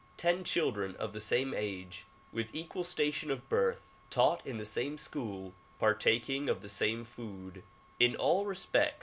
Ten children of the same age, with equal station of birth, taught in the same school, partaking of the same food, in all respects